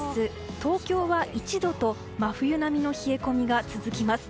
東京は１度と真冬並みの冷え込みが続きます。